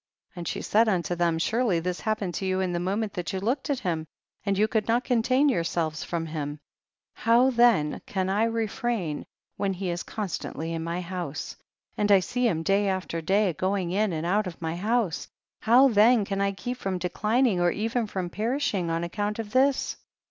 33. And she said unto them, surely this happened to you in the moment that you looked at him, and you could not contain yourselves from him ; how then can I refrain when he is constantly in my house, and I see him day after day going in and out of my house ? how theji can I keep from declining or even from perishing on account of this